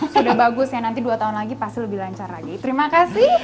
sudah bagus ya nanti dua tahun lagi pasti lebih lancar lagi terima kasih